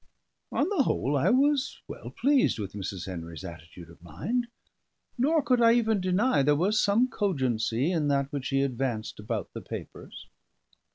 On the whole I was well pleased with Mrs. Henry's attitude of mind; nor could I even deny there was some cogency in that which she advanced about the papers.